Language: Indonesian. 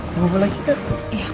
bapak lagi kan